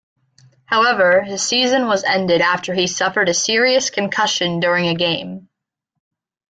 However his season was ended after he suffered a serious concussion during a game.